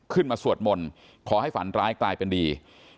สวดมนต์ขอให้ฝันร้ายกลายเป็นดี